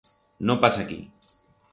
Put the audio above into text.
No pas aquí!